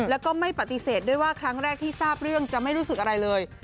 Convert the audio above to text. แล้วก็ไม่ปฏิเสธด้วยว่าครั้งแรกที่ทราบเรื่องจะไม่รู้สึกอะไรเลย